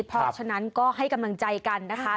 เพราะฉะนั้นก็ให้กำลังใจกันนะคะ